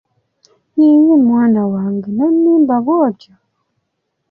Yii, Yii, mwana wange nonimba bw'otyo